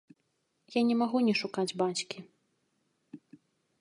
Я не магу не шукаць бацькі.